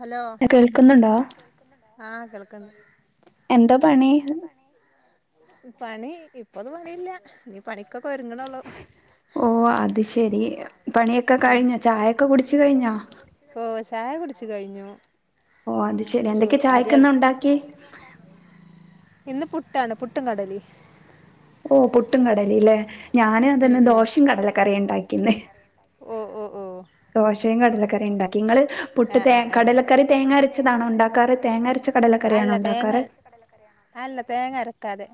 Hello ആഹ് കേൾകണ്ട് എന്താ പണി പണി ഇപ്പൊ ഒരു പണിയില്ല ഇനീ പണിക്കൊക്കെ ഒരുങ്ങണള്ളു ഓ അത് ശരി പണിയൊക്കെ കഴിഞ്ഞോ ചായൊക്കെ കുടിച്ചു കഴിഞ്ഞോ ഓ ചായ കുടിച്ചു കഴിഞ്ഞു ഓ അത് ശരി എന്തൊക്കെയെ ചായക്കന്ന് ഉണ്ടാക്കി ഇന്ന് പുട്ടാണ് പുട്ടും കടലി ഓ പൊട്ടും കടലല്ലേ ഞാനും അതന്നെ ദോശയും കടലക്കറിയ ഉണ്ടാക്കിന്ന് ദോശയും കടല റി ഉണ്ടാക്കി നിങ്ങൾ പുട്ട് കടലക്കറി തേങ്ങരച്ചതണോ ഉണ്ടാക്കാറ് തേങ്ങരച്ച കടലക്കറിയാണോ ഉണ്ടാക്കാറ് അല്ല തേങ്ങ അരക്കാതെ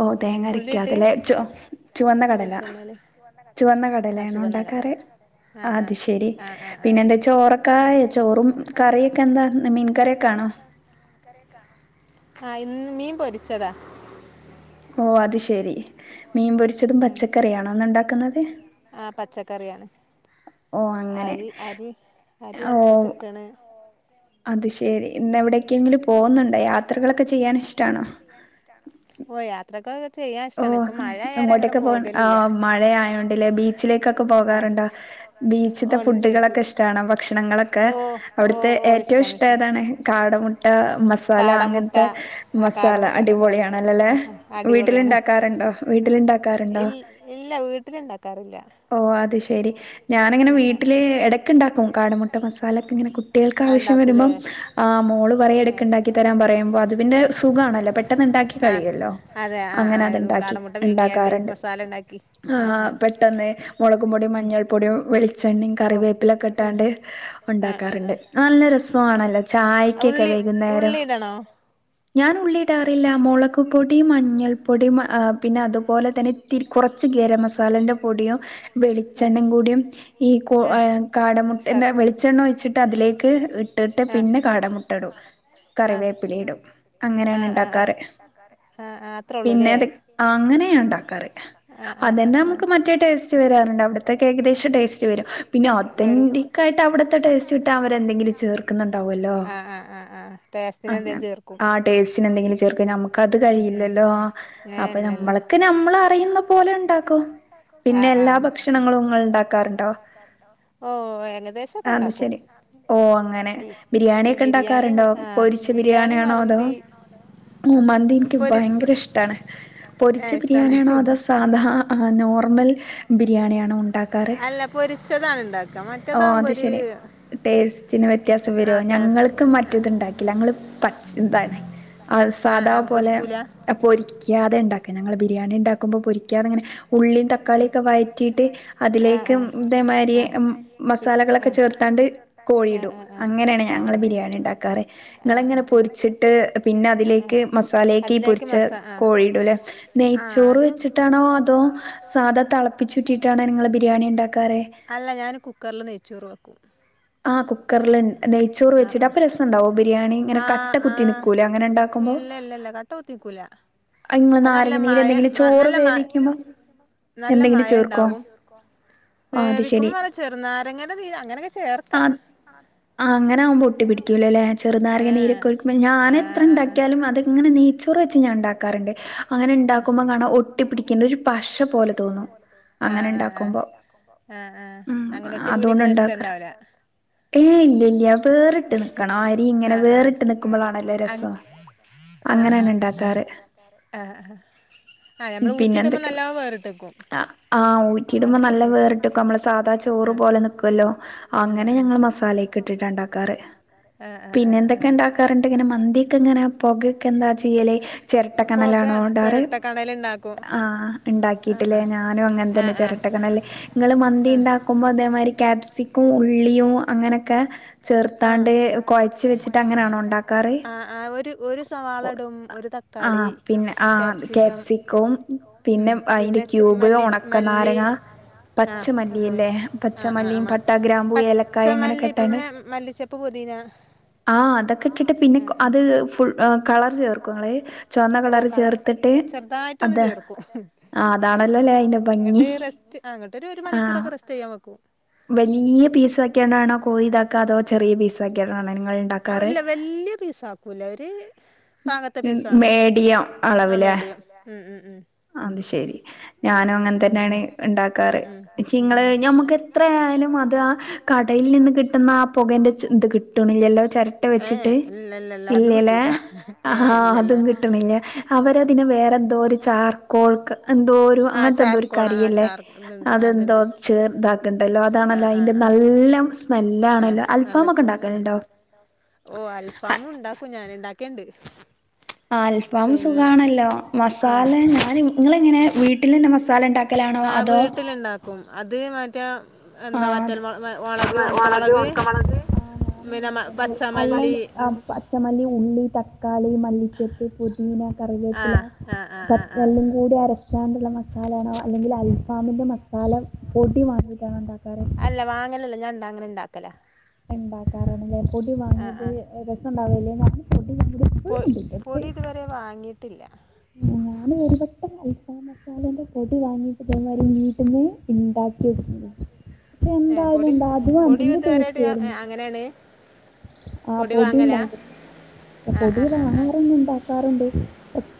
ഓ തേങ്ങരക്കതല്ലെ ച ചുവന്ന കടലാ ചുവന്ന കടലയാണ ഉണ്ടാ കാറ് അത് ശരി പിന്നെ എന്താ ചോറൊക്കായ ചോറും കറിയൊക്കെ എന്താ മീൻ കറിയൊക്കൊണോ ആഹ് ഇന്ന് മീൻ പൊരിച്ചതാ ഓ അത് ശെരി മീൻ പൊരിച്ചതും പച്ചക്കറിയണോ ഇന്നണ്ടാക്കുന്നത് ആഹ് പച്ചക്കറിയാണ് അരി അരി അരിയടുപ്പത്തിട്ടണ് അത് ശെരി ഇന്ന് എവിടൊക്കെങ്കിലും ഇന്ന് എവിടേക്കെങ്കിലും പോകുന്നുണ്ടോ യാത്രകളൊക്കെ ചെയ്യാൻ ഇഷ്ടാണോ ഓ യാത്രകൾൊക്കെ ചെയ്യാൻ ഇഷ്ടാണ് ഇപ്പൊ മഴയര അങ്ങനെ പോകലില്ല വീട്ടിലോകൊക്കെ പോകാറണ്ട് ഓഹ് ണ്ട്ഫുഡൊക്കെ ഇഷ്ട ഓ ഓ ഓ ഇഷ്ടൻ ഇഷ്ടൻ കാട മു മസാല അങ്ങനത്തെ മസാല അടിപൊളിയാണ് അല്ലല്ലെ വീട്ടിലണ്ട ഇൽ ഇല്ല വീട്ടിലുണ്ടാക്കാറില്ല ഓ അത് ശരി ഞാനിങ്ങനെ വീട്ടില് ഇടക്ക ഉണ്ടാക്കും കാടമുട്ട മസാലക്കെ ഇങ്ങനെ കുട്ടികൾക്ക് ആവശ്യം വരുമ്പോം ആ മോളും പറയും ഇടക്ക് ഉണ്ടാക്കി തരാൻ പറയുമ്പോ അതി സുഖണല്ലോ പെട്ടെന്ന് ഉണ്ടാക്കി കഴിയല്ലോ അങ്ങനെ അത് ണ്ടാറുണ്ട് ആഹ് പെട്ടെന്ന് മുളകുപൊടിയും മഞ്ഞൾ പൊടിയും വെളി ചെണ്ണ കറിവേപ്പിലെ ഇട്ടാണ്ട് ഉണ്ടാക്കാറുണ്ട് നല്ല രസണല്ലോ ചായ ക്കെ വൈകുന്നേരം ഞാൻ ഉള്ളി ഇടാറില്ല മുളൊക് പൊടി മഞ്ഞൾ പൊടി പിന്നെ അതുപോലെ തന്നെ ഇത്തിരി കുറച്ച് ഗരമസാലന്റെ പൊടിയും വെളിച്ചെണ്ണയും കൂടിയും ഈ കോ കാടമുട്ടൻ്റെ വെളിച്ചെണ്ണ ഒഴിച്ചിട്ട് അതിലേക്ക് ഇട്ടിട്ട് പിന്നെ കാടമുട്ട ഇടും കറിവേപ്പിലിടും ആഹ് ആഹ് ആഹ് ആഹ് അത്രേ ഉള്ളൂല്ലേ പിന്നെ അങ്ങനെയ അതന്നെ ആഹ് ആ ആ നമുക്ക് മറ്റേ ടേസ്റ്റ് വരാറുണ്ട് ഏകദേശം വരും ആഹ് ആഹ് ആഹ് ടെസ്റ്റിന് എന്തേലും ചേർക്കും ടേസ്റ്റന് എന്തെങ്കിലും ചേർക്കും നമുക്ക് അത് കഴിയില്ലല്ലോ അപ്പൊ നമ്മൾക്ക് നമ്മൾ അറിയുന്ന പോലെ ഉണ്ടാക്കോ പിന്നെ എല്ലാ ഭക്ഷണങ്ങളുംങ്ങൾ ഉണ്ടാക്കാറുണ്ടോ അത് ശരി ഓ അങ്ങനെ ബിരിയാണി ഒക്കെ ഉണ്ടാക്കാറുണ്ടോ പൊരി ച്ച ബിരിയാണിയാണോ അതോ ഉം മന്തി എനിക്ക് ഭയങ്കര ഇഷ്ടാണ് പൊരിച്ച ബിരിയാണിയാണോ അതോ സാധാ നോർമൽ ബിരിയാണിയാണോ ഉണ്ടാ അല്ല പൊരിച്ചതാണ് ഇണ്ടാക്ക മറ്റേതാകുമ്പോര് ടേസ്റ്റിന് വ്യത്യാസം വരോ ഞങ്ങൾക്ക് മറ്റേതുണ്ടാക്കില്ല ഞങ്ങള് പ ഇതാണ് ആ സാദാ പോലെ പൊരിക്കാതെ ഉണ്ടാക്കും ഞങ്ങൾ ബിരിയാണി ഉണ്ടാക്കുമ്പോൾ പൊരിക്കാതെ ഇങ്ങനെ ഉള്ളി തക്കാളിയൊക്കെ വഴറ്റിയിട്ട് അതിലേക്ക് ഇതേമാതിരി മസാലകളൊക്കെ ചേർത്താണ്ട് കോഴിയിടും അങ്ങനെയാണ് ഞങ്ങള് ബിരിയാണി ഉണ്ടാക്കാറ് നിങ്ങള ഇങ്ങനെ പൊരിച്ചിട്ട് പിന്നെ അതിലേക്ക് മസാലക്ക് ഈ പൊരിച്ച കോഴിടുംല്ലെ നെയ്ച്ചോറ് വെച്ചിട്ടാണോ അതോ സാദാ തിളപ്പിച്ചുട്ടിയിട്ടാണ് നിങ്ങള് ബിരിയാണി ഉണ്ടാക്കാറ് അല്ല ഞാൻ കുക്കറിൽ നെയ്ച്ചോറ് വെക്കും ആഹ് കു കുക്കറൽ നെയ്ച്ചോറ് വെച്ചിട്ട് അപ്പൊ രസം ഉണ്ടാവോ ബിരിയാണി ഇങ്ങനെ കട്ട കുത്തി നിക്കൂലേ അങ്ങനെ ഉണ്ടാക്കുമ്പോ ട്ടത്തിക്കൂല അതല്ല മഴ നല്ല മഴ നല്ല മഴ ഇണ്ടാവും വേവിക്കുമ്പോ നല്ല ചെറുനാരങ്ങേന്റ നീര് അങ്ങനെയൊക്കെ ചേർ ആഹ് ആഹ് ആഹ് അങ്ങനാകുമ്പോ ഒട്ടി പിടിക്കൂലല്ലേ ചെറു നാരങ്ങാ നീരൊക്കൊഴിക്കുമ്പോ ഞാന് എത്ര ഇണ്ടാക്കിയാലും അത്ങ്ങനെ നീച്ചു തുറു വെച്ച് ഞാൻ ഇണ്ടാക്കാറുണ്ട് അങ്ങനെ ഇണ്ടാക്കുമ്പോ കാണാം ഒട്ടിപ്പിടിക്കേണ്ട ഒരു പശ പോലെ തോന്നുന്നു അങ്ങനെ ഇണ്ടാക്കുമ്പോ ഉം അതുകൊണ്ടാ ഇണ്ടാക്കാറ് ഏഹ് ഇല്ലില്ല്യ വേറിട്ട് നിക്കണം അരി ഇങ്ങനെ വേറിട്ട് നിക്കുമ്പളാണല്ലെ രസം അങ്ങനെയാണ് ഇണ്ടാക്കാറ് ആഹ് ആഹ് പിന്നെ എന്തൊക്കയാണ് ആഹ് ഊറ്റിടുമ്പോ നല്ല വേറിട്ട് നമ്മള് സാധാ ചോറ് പോലെ നിക്കുവല്ലോ അങ്ങനെ ഞങ്ങൾ മസാലയൊക്കെ ഇട്ടിട്ടാ ഇണ്ടാക്കാറ് പിന്നെ എന്തൊക്കെ ഇണ്ടാക്കാറുണ്ട് ഇങ്ങനെ മന്തിയൊക്കെ ഇങ്ങനെ പൊകയൊക്കെ എന്താ ചെയ്യല് ചെരട്ടക്കണലാണുകൊണ്ടാറ് ആഹ് ഇണ്ടാക്കിയിട്ടില്ലേ ഞാനും അങ്ങനെ തന്നെ ചെരട്ട കണല് നിങ്ങള് മന്തി ഇണ്ടാക്കുമ്പോ അതേമാതിരി ക്യാപ്സിക്കും ഉള്ളിയും അങ്ങനെയൊക്കെ ആഹ് ആഹ് ആഹ് ഒര് ഒര് സവാളടും ഒരു തക്കാ ആഹ് പിന്നെ ആഹ് ക്യാപ്സിക്കവും പിന്നെ അതിന്റെ ക്യൂബ് ഒണക്കനാരങ്ങ പച്ചമല്ലിയല്ലേ പച്ചമല്ലിയും പട്ട ഗ്രാമ്പൂ ഏലക്കായ അങ്ങനെക്കെ പിന്നെ മല്ലിച്ചപ്പ് പുതീന ആഹ അതൊക്കെ പി അത് ഫുൾ കളർ ചേർക്കും ഓഹ് കളർ ചെറുതായിറ്റ് ഒന്ന് ചേർക്കും എന്നട്ട് റെസ്റ്റ് അങ്ങട്ടൊരു ഒരു മണിക്കൂറക്കെ റെസ്റ്റ് ചെയ്യാൻ വക്കും വലിയ പീസാക്കിയയാണോ വേണോ ല്ല വല്യ പീസ ആക്കൂല ഒര് പാകത്തെ പീസാണ് ആഹ മേടിയം ഉം ഉംഉം അത്ശരി ഞാനും അങ്ങനെ തന്നെയാണ് ഇണ്ടാക്കാറ് പക്ഷെ ങ്ങള് ഞമ്മുക്ക് എത്രയയാലും അത് ആഹ കടയിൽ നിന്ന് കിട്ടുന്ന ആഹ പുകന്റെ ഇത് കിട്ടണില്ലല്ലോ ചെരട്ട വെച്ചിട്ട് ഇല്യല്ലെ ആഹാ അതും കിട്ടണില്ല അവരതിനെ വേറെ എന്തോ ഒരു ചാർക്കോൾക്ക് എന്തോ അങ്ങനത്തെ എന്തോ ഒരു കരിയില്ലേ അതെന്തോ ചേർത്താക്കണ്ടല്ലോ അതാണല്ലോ അതിന്റെ നല്ല സ്മെ സ്മെല്ലാണല്ലോ അൽഫാമൊക്കെ ഇണ്ടാക്കലുണ്ടോ ഓഹ് അൽഫാമും ഉണ്ടാക്കൂ ഞാൻ ഇണ്ടാക്കേണ്ട് അൽഫാം സുഖാണല്ലോ മസാല ഞാൻ നിങ്ങളെങ്ങനെ വീട്ടിലന്നെ മസാല ഇണ്ടാക്കലാണോ അതോ അത് മറ്റെ എന്താ വറ്റൽ മൊളക് ഒണക്കമൊളക് പിന്ന പച്ച മല്ലി പച്ചമല്ലി ഉള്ളി തക്കാളി മല്ലിച്ചെപ്പ് പുതി പുതിന കറിവേപ്പില [unintelligible] ക്കാളി കൂടി അരക്കാനുള്ള മസാലയാണോ അല്ലെങ്കിൽ അൽഫാമിൻ്റെ മസാല പോടി വാങ്ങിച്ചിട്ടാണോ ഇണ്ടാക്കുക [unintelligible] അല്ല വാങ്ങലല്ല ഞാൻ ണ്ട ങ്ങനെ ഇണ്ടാക്കല ഇണ്ടാക്കാറാണല്ലേ പൊടി വാങ്ങിയത് രസണ്ടാവുക അല്ലേ [unintelligible] പോയിക്കൊണ്ടിരിക്കും പൊടി ഇതുവരെ വാങ്ങിയിട്ടില്ല ഞാനും ഒരുവട്ടം അൽഫാമ് അൽഫാമിന്റെ പൊടി വാങ്ങിയിട്ട് ഇതെല്ലാരും വീട്ടിന്ന് ഇണ്ടാക്കിയെടുക്കണത് പക്ഷെ എന്തായാലും ഇന്താ അതും അതിന്റെ ടേസ്റ്റ് ആരുന്നു അങ്ങനെയാണ് ആഹ് പൊടി ഉണ്ടാവ പൊടി വാങ്ങാറൂണ്ട് ഇണ്ടാക്കാറുണ്ട്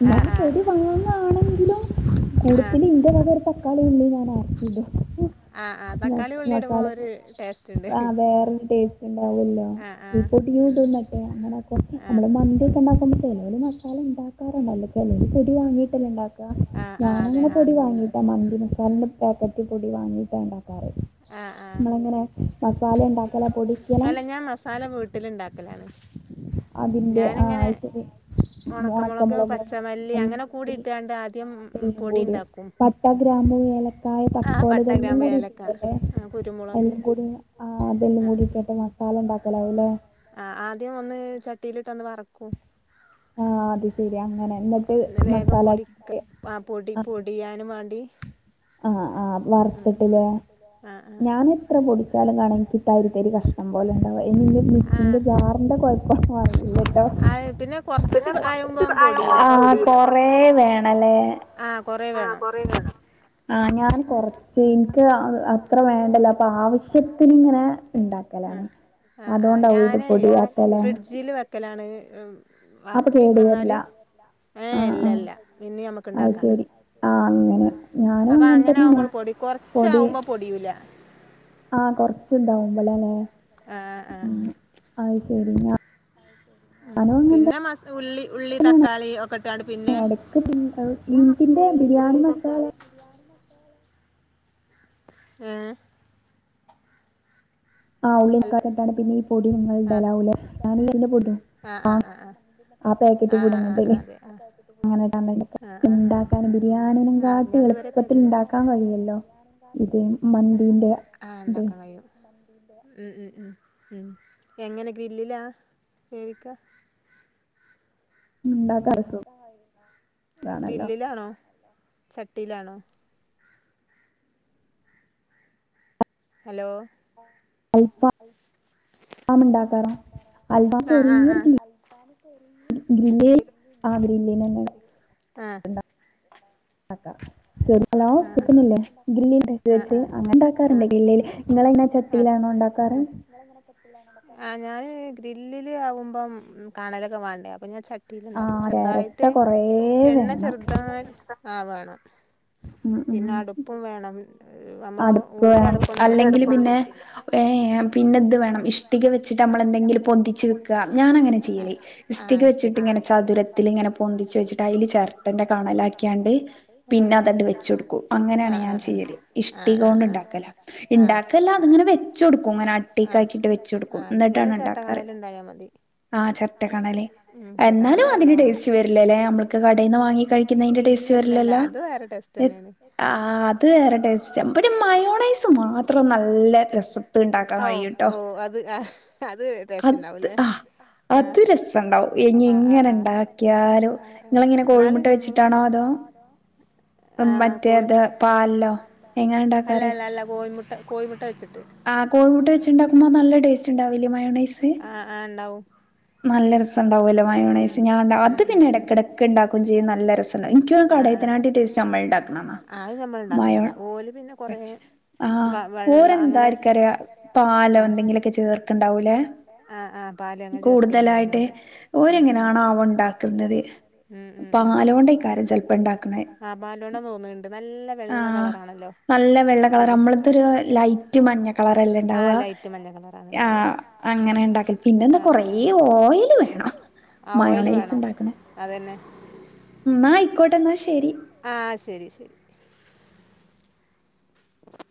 ന്നാലും പൊടി വാങാണെങ്കിലും കൂട്ടത്തില് ഇന്റെ [unintelligible] വലിയുള്ളി ഞാൻ അരച്ചിടും മസാ മസാല പൊടി ആഹ് വേറൊരു ടേസ്റ്റ് ഉണ്ടാവല്ലോ ഈ പൊടിയുന്നട്ടെ അങ്ങനെക്കോ നമ്മള് മന്തിയൊക്കെ ഉണ്ടാക്കുമ്പോൾ ചിലര് മസാല ഉണ്ടാക്കാറുണ്ടല്ലോ ചിലര് പൊടി വാങ്ങീട്ടല്ലേ ഉണ്ടാക്കാ ഞാന് അങ്ങനെ പൊടി വാങ്ങീട്ടാ മന്തി മസാലന്റെ പാക്കറ്റ് പൊടി വാങ്ങിയിട്ടാ ഉണ്ടാക്കാറ് ആഹ് ആഹ് അങ്ങനെ മസാല അല്ല ഞാൻ മസാല വീട്ടിലുണ്ടാക്കലാണ് അതിൻ്റെ ആഹ് അത് ശരി ഉണക്കമുളക് പച്ചമല്ലി അങ്ങനെ കൂടി ഇട്ടാണ്ട് ആദ്യം പൊടി ഉണ്ടാക്കും പട്ടാ ഗ്രാമ്പു ഏലക്കായ തക്കോലം ഇതെല്ലാം കൂടിയിട്ടല്ലേ എല്ലാം കൂടി ആഹ് അതെല്ലാം കൂടിയിട്ട്ട്ട് മസാല ഉണ്ടാക്കലാവും അല്ലേ ആഹ് ആദ്യം ഒന്ന് ചട്ടിയിലിട്ട് ഒന്ന് വറുക്കും ആഹ് അത് ശെരി അങ്ങനെ എന്നിട്ട് മസാല ആക്കിട്ട് [unintelligible] ബിയാനുംവേണ്ടി ആഹ് ആഹ് വറുത്തിട്ടില്ലേ ഞാന് എത്ര പൊടിച്ചാലും കാണുംഎനിക്കി തരി തരി കഷണം പോലെ ഉണ്ടാവും ഇനി എന്റെ മിക്സിന്റെ ജാറിന്റെ കൊഴപ്പം ആണോന്ന് അറിയില്ല കേട്ടോ ആഹ് കൊറേവേണല്ലേ ആഹ് കൊറെ വേണം ആഹ് ഞാൻ കൊറച്ച് എനിക്ക് അത്ര വേണ്ടല്ലോ അപ്പൊ ആവശ്യത്തിന് ഇങ്ങനെ ഉണ്ടാക്കും ലാണ് അതുകൊണ്ടാവും ഇത് പൊടിയാത്തലേ ജില് വെക്കലാണ് ഉം ബാക്കി വന്നാല് ഏഹ് ഇല്ല ഇല്ല പിന്നെ നമുക്ക് ഉണ്ടാക്കാം മ് അപ്പൊ അങ്ങനെ ആകുമ്പോൾ പൊടി കൊറച്ച് ആവുമ്പോൾ പൊടിയൂല ആഹ് കൊറച്ച് ഉണ്ടാവുമ്പോളെല്ലേ ഉം അത് ശരി ഉം പിന്നെ മസ് ഉള്ളി ഉള്ളി തക്കാളി ഒക്കെ ഇട്ടാണ്ട് പിന്നെ ക്ക്‌ ഇതിന്റെ ബിരിയാണി മസാ ഏഹ് ആഹ് ഉള്ളി തക്കാളിയിട്ടാണ് പിന്നെ ഈ പൊടി നിങ്ങളൾ ഇടലാവൂലേ ഞാനീ എതിൻ്റെ ഒപ്പം ഇടും ആഹ് ആ പാക്കറ്റ് കൂടുന്നുണ്ട് അല്ലെ അങ്ങനെക്ക ഉണ്ടാക്കാനും ബിരിയാണീനും കാട്ടി എളുപ്പ ഉണ്ടാക്കാൻ കഴിയല്ലോ അതിനേക്കാൾ എളുപ്പത്തിൽ ണ്ടാക്കാൻ കഴിയല്ലോ ആഹ് ഉണ്ടാക്കാൻ കഴിയും ഉം ഉം ഉം ഉം എങ്ങനെ ഗ്രില്ലിലാ വേവിക്കാ ഉണ്ടാ ഉണ്ടാക്കാൻ കഴിയുന്ന ഗ്രില്ലിലാണോ ചട്ടിയിലാണോ ഹലോ ആഹ് ആഹ് ആഹ് ഗ്രില്ല് ആ ഗ്രില്ലിന് തന്നെയാണ് ഇണ്ടാ ണ്ടാക്ക ശരി ഹലോ കേക്കുന്നില്ലേ ഗ്രില്ലിൽ ഇടയ്ക്കുവെച്ചു അങ്ങനെ ഉണ്ടാക്കാറുണ്ട് ല്ല ഇങ്ങള് എന്താ ചട്ടിയിലാണോ ഇണ്ടാക്കാറ്? ആഹ് ഞാന് ഗ്രില്ലില് ആവുമ്പം കനലൊക്കെ വാണ്ടേ അപ്പൊ ഞാൻ ചട്ടി ട്ടില് ഇണ്ടാക്കും ചെറുതായിട്ട് എണ്ണ ചെറുതായി ആഹ് വേണം പിന്നെ അടുപ്പും വേണം നമ്മളെ ഉള്ളിലെ അടു അല്ലെങ്കില് പിന്നെ ഏഹ് പിന്നെന്ത് വേണം ഇഷ്ടിക വെച്ചിട്ട് നമ്മളെ എന്തെങ്കിലും പൊന്തിച്ച് ഞാനങ്ങനാ ചെയ്യല് ഇഷ്‌ടിക വെച്ചിട്ട് ഇങ്ങനെ ചതുരത്തില് ഇങ്ങനെ പൊന്തിച്ച് വെച്ചിട്ട് അയ്ല് ചേർ ട്ടന്റെ കാണലാക്കിയാണ്ട് പിന്നെ അതണ്ട് വെച്ചു കൊടുക്കും അങ്ങനെണ് ഞാൻ ചെയ്യല് ഇഷ്ടികൊണ്ട് ഇണ്ടാക്കല ഇണ്ടാക്കല്ല അത് അങ്ങനെ വെച്ച് കൊടുക്കും അങ്ങനെ അട്ടിക്ക് ആക്കിയിട്ട് വെച്ചു കൊടുക്കും ഇന്നട്ടാണ് ഇണ്ടാക്കാറ് ആഹ് ചട്ട കണല് എന്നാലും അതിന്റെ ടേസ്റ്റ് വരില്ലല്ലേ നമ്മൾക്ക് കടയിൽ നിന്ന് വാങ്ങി കഴിക് ക്ക്ന്നയ്ൻ്റെ ടേസ്റ്റ് വരിലല്ലോ [unintelligible] ആഹ് അത് വേറെ ടേസ്റ്റാ ഇബടെ മയോണൈസ് മാത്ര ഓഹ് ഓഹ് അത് അത് ടേസ്റ്റ് ഇണ്ടാവുല്ലേ ആഹ് ആഹ് ആഹ് അഹ് ഇന്നാലും ഞമ്മൾ ആഹ് കോ അല്ല ല്ല ല്ല കോഴിമുട്ട കോഴിമുട്ട വെച്ചിട്ട് ആഹ് കോഴിമുട്ട വെച്ചുണ്ടാക്കുമ്പോ നല്ല ടേസ്റ്റ് ഇണ്ടാവില്ലേ മയോണൈസ്? നല്ല രസം ഇണ്ടാവുല്ലോ മയോണൈസ് അത് പിന്നെ എടക്കടക്ക് ഇണ്ടാക്കും ചെയ്യും നല്ല രസം ഇണ്ടാവും ഇൻക്ക് കടയിത്താ [unintelligible] മ്മള് ഇണ്ടാക്ക്ണതാ മയോ പക്ഷേ ആഹ് ഓരെന്തായിരിക്കാര പാലോ എന്തെങ്കിലൊക്കെ ചേർക്ക്ണ്ടാവൂലേ കൂടുതൽ ണ്ടായിട്ട് ഓരെങ്ങനെയാണാവോ ഇണ്ടാക്കുന്നത്? ഉം ഉം ഉം ആഹ് പാലോണ്ട തോന്ന്ണ്ട് നല്ല വെ വെള്ള കളറാണല്ലോ ഓൽത് ആഹ് ലൈ മഞ്ഞ കളറാണ് ആഹ് അങ്ങനെ ഇണ്ടക്കല് പിന്നെന്താ കൊറേ ഓ ഓയില് വേണം മയോണൈസ് ഇണ്ടാക്കണ അതെന്നെ ന്നാ ആയിക്കോട്ടെ ന്നാ ശരി ആഹ് ശരി ശരി [inaudible]